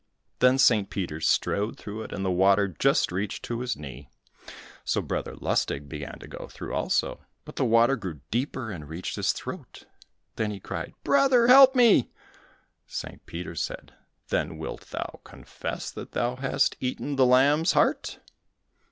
Then St. Peter strode through it, and the water just reached to his knee. So Brother Lustig began to go through also, but the water grew deeper and reached to his throat. Then he cried, "Brother, help me!" St. Peter said, "Then wilt thou confess that thou hast eaten the lamb's heart?"